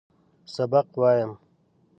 سبق وایم.